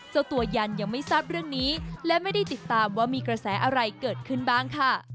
เจ้าตัวยันยังไม่ทราบเรื่องนี้และไม่ได้ติดตามว่ามีกระแสอะไรเกิดขึ้นบ้างค่ะ